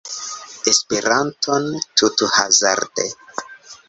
Esperanton tuthazarde